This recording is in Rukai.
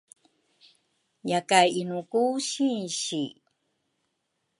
Yakay inu ku sinsi?